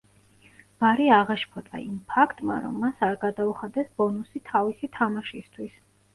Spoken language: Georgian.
ბარი აღაშფოთა იმ ფაქტმა რომ მას არ გადაუხადეს ბონუსი თავისი თამაშისთვის.